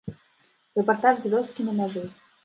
Рэпартаж з вёскі на мяжы.